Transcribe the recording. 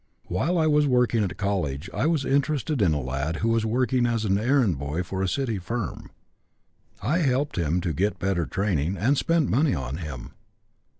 "While I was working at college I was interested in a lad who was working as errand boy for a city firm. I helped him to get better training, and spent money on him.